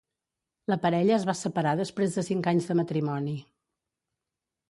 La parella es va separar després de cinc anys de matrimoni.